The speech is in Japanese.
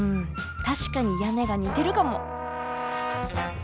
確かに屋根が似てるかも！